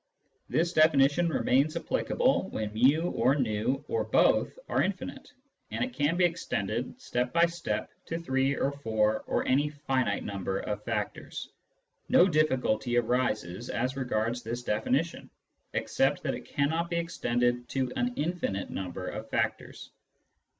This definition remains applicable when ju. or v or both are infinite, and it can be extended step by step to three or four or any finite number of factors. No difficulty arises as regards this definition, except that it cannot be extended to an infinite number of factors.